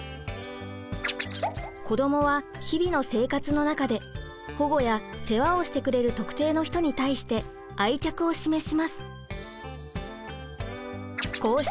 子どもは日々の生活の中で保護や世話をしてくれる特定の人に対して「愛着」を示します。